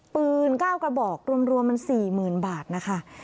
ปืน๙กระบอกรวมมัน๔๐๐๐บาทนะคะ